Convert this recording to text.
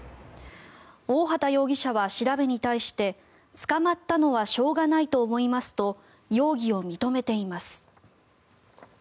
大畑容疑者は調べに対して捕まったのはしょうがないと思いますと容疑を認めています。